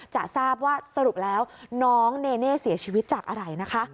จะทราบว่าสรุปแล้วน้องเนเน่เสียชีวิตจากอะไรนะคะ